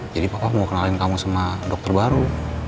jadi papa mau kenalin kamu sama dokter baru